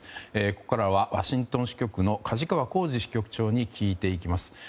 ここからはワシントン支局の梶川幸司支局長に聞いていきます。